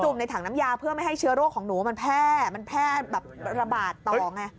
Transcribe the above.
ในถังน้ำยาเพื่อไม่ให้เชื้อโรคของหนูมันแพร่มันแพร่แบบระบาดต่อไง